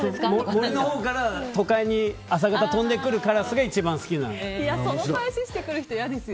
森のほうから都会に朝方飛んでくるカラスが一番好きなんです。